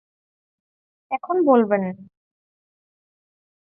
এখন বলবেন না।